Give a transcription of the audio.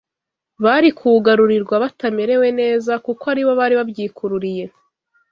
bari kuwugarurirwa batamerewe neza kuko ari bo bari babyikururiye.